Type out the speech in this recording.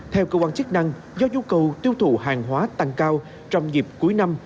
theo cơ quan chức năng do nhu cầu tiêu thụ hàng hóa tăng cao trong dịp cuối năm